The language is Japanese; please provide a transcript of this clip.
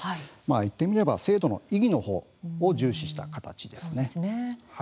言ってみれば制度の意義のほうを重視した形です。